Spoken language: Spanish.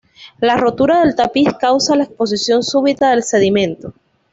La rotura del tapiz causa la exposición súbita del sedimento.